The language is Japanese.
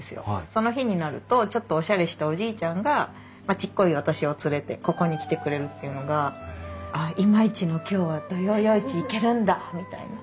その日になるとちょっとおしゃれしたおじいちゃんがちっこい私を連れてここに来てくれるっていうのが「ああ今日は土曜夜市行けるんだ」みたいな。